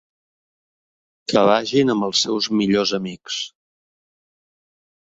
Que vagin amb els seus millors amics.